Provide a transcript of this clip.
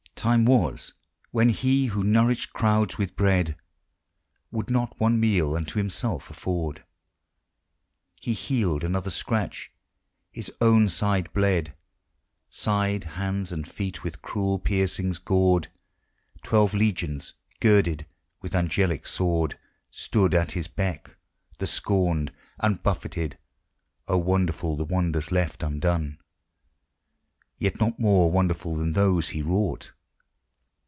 Time was when He who nourished crowds with bread, AYould not one meal unto Himself afford. He healed another's scratch, His own side bled; Side, hands and feet with cruel piercings gored. Twelve legions girded with angelic sword Stood at His beck, the scorned and buffeted. Oh, wonderful the wonders left undone! Yet not more wonderful than those He wrought!